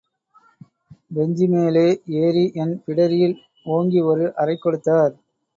பெஞ்சிமேலே ஏறி என் பிடரியில் ஓங்கி ஒரு அறை கொடுத்தார்.